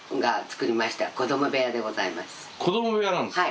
子ども部屋なんですか？